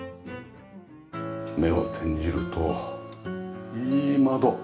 目を転じるといい窓。